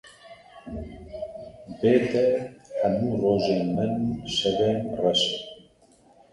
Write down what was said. Bê te, hemû rojên min şevên reşin.